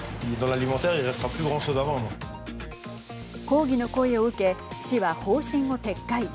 抗議の声を受け市は方針を撤回。